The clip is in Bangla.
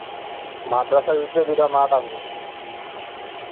মাদ্রাসার ভিতরে দুটি মাঠ আছে।